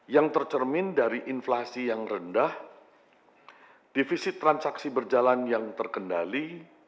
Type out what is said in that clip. yang tercermin dari inflasi yang rendah defisit transaksi berjalan yang terkendali